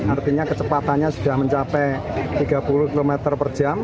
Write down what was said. artinya kecepatannya sudah mencapai tiga puluh km per jam